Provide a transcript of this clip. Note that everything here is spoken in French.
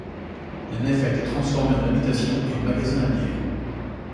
La nef a été transformée en habitation et en magasin à bière.